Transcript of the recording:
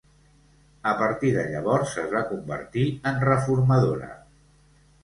A partir de llavors, es va convertir en reformadora.